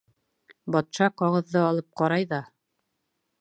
Батша ҡағыҙҙы алып ҡарай ҙа: